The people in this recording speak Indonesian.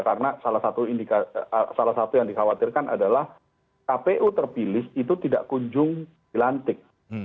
karena salah satu yang dikhawatirkan adalah kpu terpilih itu tidak kunjung dilantik